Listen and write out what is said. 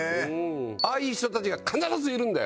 ああいう人たちが必ずいるんだよ。